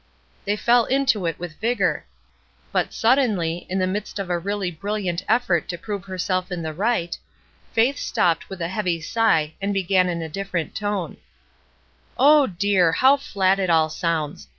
They fell to it with vigor; but suddenly, in the midst of a really brilliant effort to prove herself in the right, Faith stopped with a heavy sigh, and began in a different tone: —'* dear ! how flat it all sounds